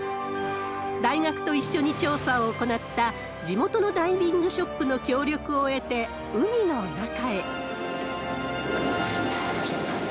大学と一緒に調査を行った地元のダイビングショップの協力を得て、海の中へ。